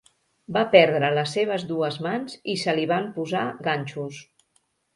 Va perdre les seves dues mans, i se li van posar ganxos.